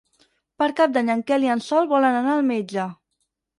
Per Cap d'Any en Quel i en Sol volen anar al metge.